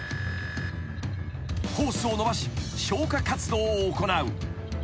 ［ホースを延ばし消火活動を行う］